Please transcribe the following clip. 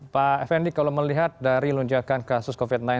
pak effendi kalau melihat dari lonjakan kasus covid sembilan belas